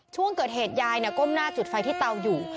ช่วงเกิดเหตุยายก้มหน้าจุดไฟที่เตาอยู่